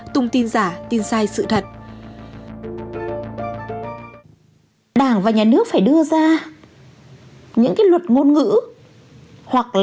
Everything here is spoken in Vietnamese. tung tin giả tin sai sự thật